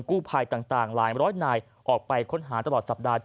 กู้ภัยต่างหลายร้อยนายออกไปค้นหาตลอดสัปดาห์